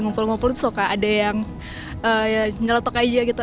ngumpul ngumpul suka ada yang nyeletok aja gitu